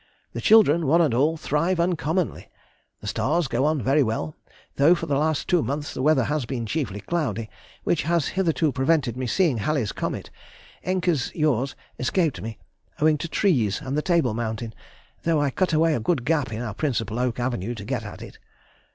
The children, one and all, thrive uncommonly.... The stars go on very well, though for the last two months the weather has been chiefly cloudy, which has hitherto prevented me seeing Halley's comet. Encke's (yours) escaped me, owing to trees and the Table Mountain, though I cut away a good gap in our principal oak avenue to get at it.